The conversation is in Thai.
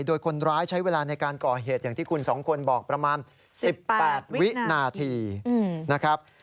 โดยคนร้ายใช้เวลาในการก่อเหตุอย่างที่คุณสองคนบอกประมาณ๑๘วินาทีนะครับ